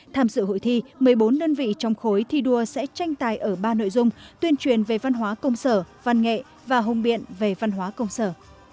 tham dự hội thi một mươi bốn đơn vị trong khối thi đua sẽ tranh tài ở ba nội dung tuyên truyền về văn hóa công sở văn nghệ và hùng biện về văn hóa công sở